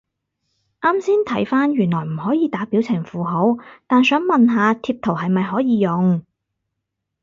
啱先睇返原來唔可以打表情符號，但想問下貼圖係咪可以用？